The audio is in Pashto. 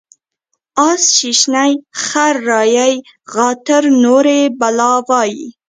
اس ششني ، خر رایي غاتر نوري بلا وایي.